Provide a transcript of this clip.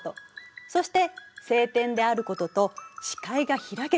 そして晴天であることと視界が開けていること。